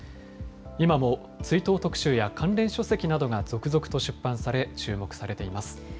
今も追悼特集や関連書籍などが続々と出版され、注目されています。